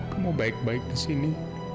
kamu baik baik kesini